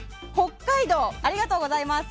ありがとうございます。